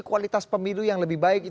kualitas pemilu yang lebih baik